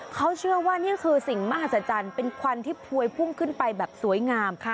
เขาเชื่อว่านี่คือสิ่งมหัศจรรย์เป็นควันที่พวยพุ่งขึ้นไปแบบสวยงาม